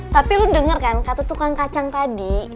tapi lo dengar kan kata tukang kacang tadi